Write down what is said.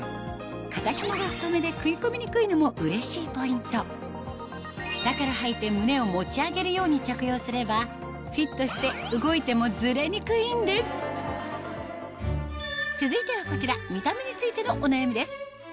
肩紐が太めで食い込みにくいのもうれしいポイント下からはいて胸を持ち上げるように着用すればフィットして動いても続いてはこちら見た目についてのお悩みです